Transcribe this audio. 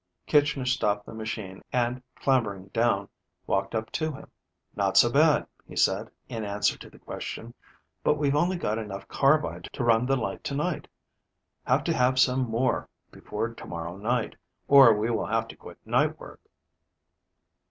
Kitchner stopped the machine, and clambering down, walked up to him. "Not so bad," he said, in answer to the question. "But we've only got enough carbide to run the light to night. Have to have some more before to morrow night, or we will have to quit night work."